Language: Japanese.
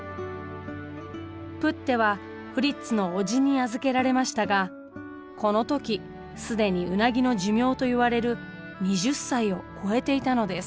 プッテはフリッツの叔父に預けられましたがこの時既にウナギの寿命といわれる２０歳を超えていたのです。